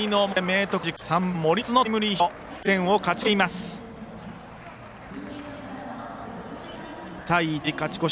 明徳、勝ち越し！